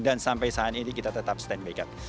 dan sampai saat ini kita tetap stand by kan